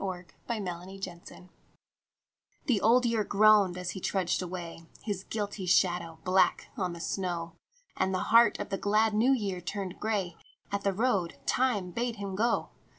BLOOD ROAD THE Old Year groaned as he trudged away, His guilty shadow black on the snow, And the heart of the glad New Year turned grey At the road Time bade him go.